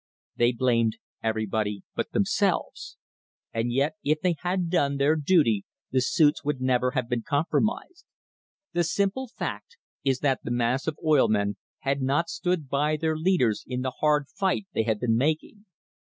They blamed everybody but themselves, and yet if they had done their duty the suits would never have been compromised. The sim ple fact is that the mass of oil men had not stood by their leaders in the hard fight they had been making.